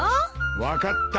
分かった。